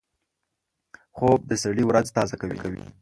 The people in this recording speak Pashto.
خوب د سړي ورځ تازه کوي